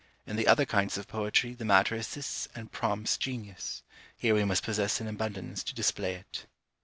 In the other kinds of poetry the matter assists and prompts genius; here we must possess an abundance to display it."